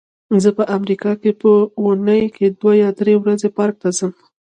زه په امریکا کې په اوونۍ کې دوه یا درې ورځې پارک ته ځم.